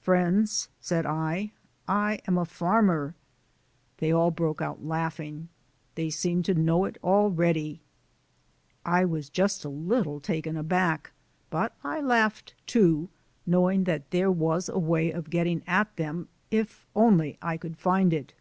"Friends," I said, "I am a farmer " They all broke out laughing; they seemed to know it already! I was just a little taken aback, but I laughed, too, knowing that there was a way of getting at them if only I could find it.